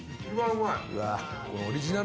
うまい！